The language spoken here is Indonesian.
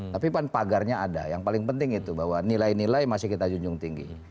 tapi kan pagarnya ada yang paling penting itu bahwa nilai nilai masih kita junjung tinggi